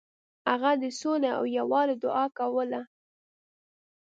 هغه د سولې او یووالي دعا کوله.